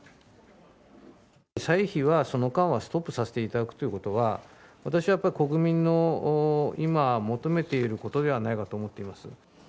歳費はその間はストップさせていただくということは、私はやっぱり国民の今、求めていることではないかと思っています。